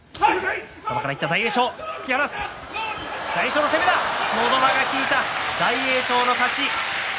大栄翔の攻めのど輪が効いた、大栄翔の勝ち。